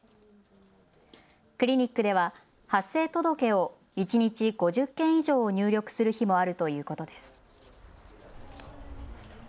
クリニックでは発生届を一日５０件以上を入力する日もあるということです。